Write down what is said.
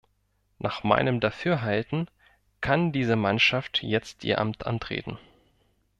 Nach meinem Dafürhalten kann diese Mannschaft jetzt ihr Amt antreten.